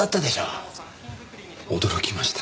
驚きました。